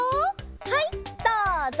はいどうぞ！